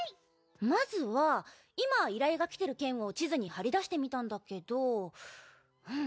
まずは今依頼が来てる件を地図に貼り出してみたんだけどうん。